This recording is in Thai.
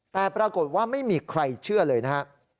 แต่ปรากฏว่าไม่มีใครเชื่อเลยนะครับ